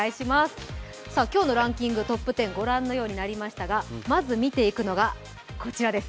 今日のランキングトップ１０ご覧のようになりましたがまず見ていくのがこちらです。